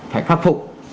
phải khắc phục